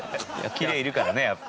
キレいるからねやっぱ。